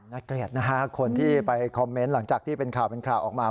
น่าเกลียดคุณที่ไปคอมเมนต์หลังจากที่เป็นข่าวออกมา